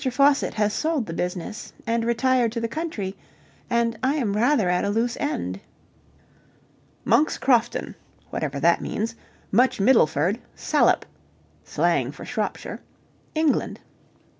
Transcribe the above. Faucitt has sold the business and retired to the country, and I am rather at a loose end... Monk's Crofton, (whatever that means) Much Middleford, Salop, (slang for Shropshire) England.